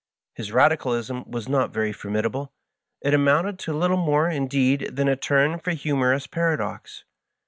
His Radicalism was not very formidable ; it amounted to Uttle more, indeed, than a turn for humorous paradox.